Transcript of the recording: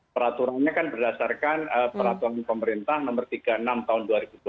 peraturannya kan berdasarkan peraturan pemerintah nomor tiga puluh enam tahun dua ribu dua puluh